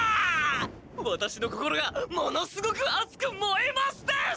ワタシの心がものすごく熱くもえますです！